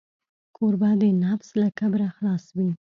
کوربه د نفس له کبره خلاص وي.